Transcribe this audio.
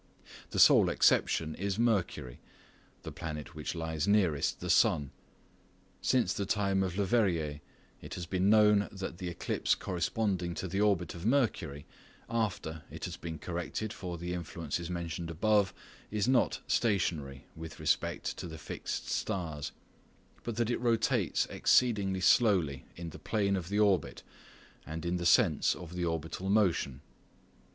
The sole exception is Mercury, the planet which lies nearest the sun. Since the time of Leverrier, it has been known that the ellipse corresponding to the orbit of Mercury, after it has been corrected for the influences mentioned above, is not stationary with respect to the fixed stars, but that it rotates exceedingly slowly in the plane of the orbit and in the sense of the orbital motion.